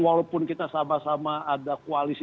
walaupun kita sama sama ada koalisi